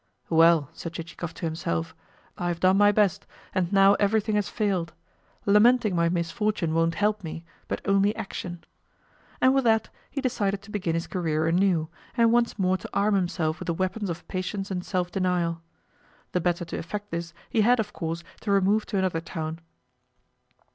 "Well," said Chichikov to himself, "I have done my best, and now everything has failed. Lamenting my misfortune won't help me, but only action." And with that he decided to begin his career anew, and once more to arm himself with the weapons of patience and self denial. The better to effect this, he had, of course to remove to another town.